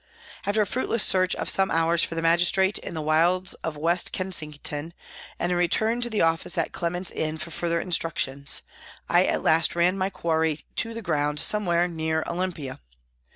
After a fruitless search of some hours for the magistrate in the wilds of West Kensington and a return to the office at Clement's Inn for further instructions, I at last ran my quarry to ground somewhere near Olympia.